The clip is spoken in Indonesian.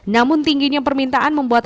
namun tingginya permintaan membuat